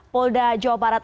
polda jawa barat